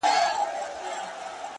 په هغه ورځ به بس زما اختر وي ـ